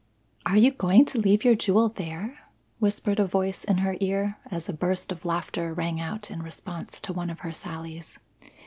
"Are you going to leave your jewel there?" whispered a voice in her ear as a burst of laughter rang out in response to one of her sallies.